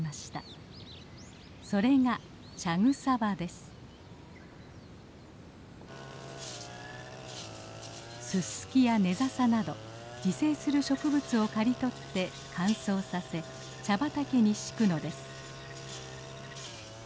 それがススキやネザサなど自生する植物を刈り取って乾燥させ茶畑に敷くのです。